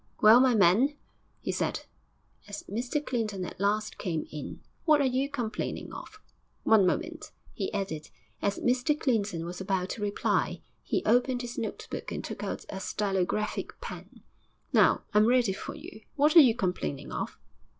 'Well, my man,' he said, as Mr Clinton at last came in, 'what are you complaining of?... One moment,' he added, as Mr Clinton was about to reply. He opened his notebook and took out a stylographic pen. 'Now, I'm ready for you. What are you complaining of?'